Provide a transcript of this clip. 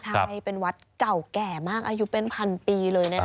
ใช่เป็นวัดเก่าแก่มากอายุเป็นพันปีเลยนะคะ